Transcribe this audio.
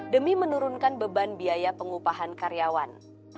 demi menurunkan beban biaya pengupahan karyawan